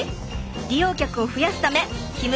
利用客を増やすためひむ